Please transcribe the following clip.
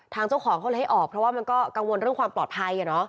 เจ้าของเขาเลยให้ออกเพราะว่ามันก็กังวลเรื่องความปลอดภัย